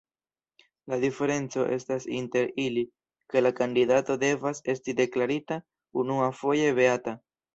La diferenco estas inter ili, ke la kandidato devas esti deklarita unuafoje beata.